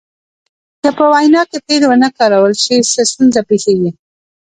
که په وینا کې فعل ونه کارول شي څه ستونزه پیښیږي.